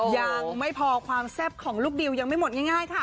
ยังไม่พอความแซ่บของลูกดิวยังไม่หมดง่ายค่ะ